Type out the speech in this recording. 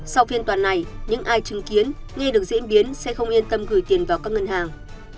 sau phiên toàn này những ai chứng kiến nghi được diễn biến sẽ không yên tâm gửi tiền vào các ngân hàng